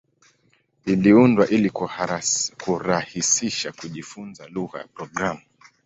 Iliundwa ili kurahisisha kujifunza lugha za programu.